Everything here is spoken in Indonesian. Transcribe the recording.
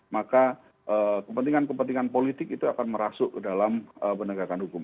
maka kepentingan kepentingan politik itu akan merasuk ke dalam penegakan hukum